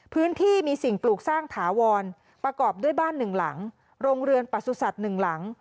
พื้นที่มีสิ่งปลูกสร้างถาวรประกอบด้วยบ้าน๑หลังโรงเรือนปสุศัตริย์๑หลัง